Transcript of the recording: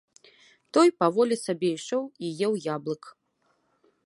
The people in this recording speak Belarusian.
Той паволі сабе ішоў і еў яблык.